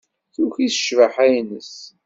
Tuki s ccbaḥa-nnes.